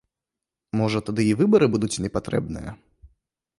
Можа, тады і выбары будуць не патрэбныя?